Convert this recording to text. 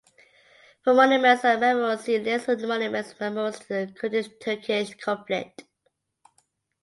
For monuments and memorials see List of monuments and memorials to the Kurdish–Turkish conflict